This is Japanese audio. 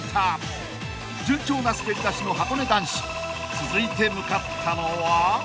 ［続いて向かったのは］